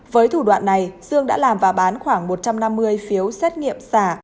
với thủ đoạn này dương đã làm và bán khoảng một trăm năm mươi phiếu xét nghiệm giả